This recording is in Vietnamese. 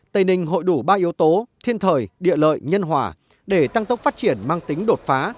tây ninh hội đủ ba yếu tố thiên thời địa lợi nhân hòa để tăng tốc phát triển mang tính đột phá